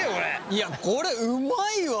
いやこれうまいわ！